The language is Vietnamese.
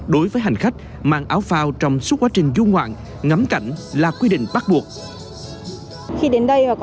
đối với hành khách mang áo phao trong suốt quá trình du ngoạn ngắm cảnh là quy định bắt buộc